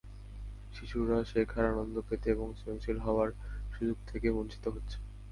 শিশুরা শেখার আনন্দ পেতে এবং সৃজনশীল হওয়ার সুযোগ থেকে বঞ্চিত হচ্ছে।